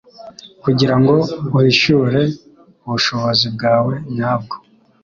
Kugira ngo uhishure ubushobozi bwawe nyabwo